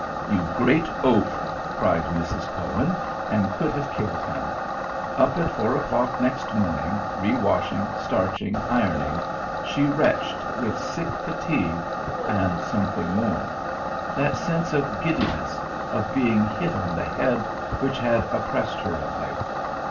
"You great oaf!" cried Mrs. Cohen, and could have killed him. Up at four o'clock next morning, rewashing, starching, ironing, she retched with sick fatigue and something more that sense of giddiness, of being hit on the head which had oppressed her of late.